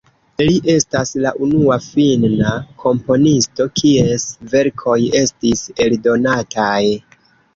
Li estas la unua finna komponisto, kies verkoj estis eldonataj.